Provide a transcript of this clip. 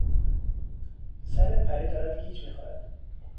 سر پری دارد گیج میخورد.